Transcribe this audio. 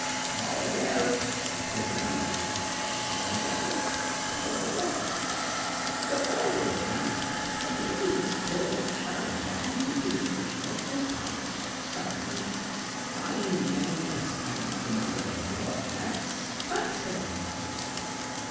""Not a garret!" echoed the landlady."Not a garret!" echoed the daughter. The burgher of Antwerp and the little distiller of Schiedam continued to smoke their pipes sullenly, eyed the enemy askance from under their broad hats, but said nothing.